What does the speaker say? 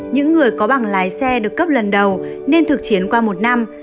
những người có bằng lái xe được cấp lần đầu nên thực chiến qua một năm